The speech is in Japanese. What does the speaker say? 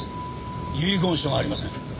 遺言書がありません。